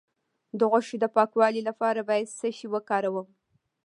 د غوښې د پاکوالي لپاره باید څه شی وکاروم؟